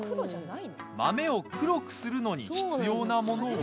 豆を黒くするのに必要なものは。